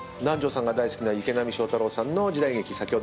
南條さんが大好きな池波正太郎さんの時代劇。